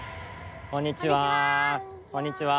こんにちは。